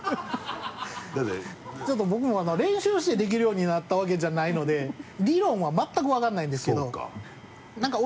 ちょっと僕も練習してできるようになったわけじゃないので理論は全く分からないんですけどそうか。